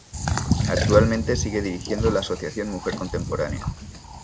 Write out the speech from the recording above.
Actualmente sigue dirigiendo la Asociación Mujer Contemporánea.